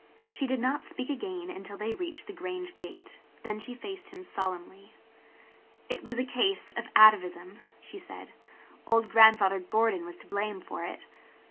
She did not speak again until they reached the Grange gate. Then she faced him solemnly. "It was a case of atavism," she said. "Old Grandfather Gordon was to blame for it."